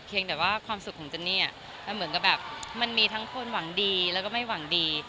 แต่ว่าความสุขของเจนนี่มันเหมือนกับแบบมันมีทั้งคนหวังดีแล้วก็ไม่หวังดี